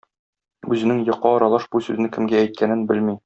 Үзенең йокы аралаш бу сүзне кемгә әйткәнен белми.